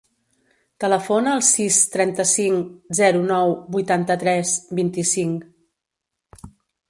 Telefona al sis, trenta-cinc, zero, nou, vuitanta-tres, vint-i-cinc.